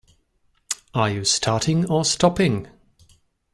Are you starting or stopping?